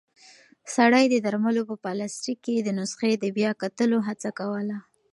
سړی د درملو په پلاستیک کې د نسخې د بیا کتلو هڅه کوله.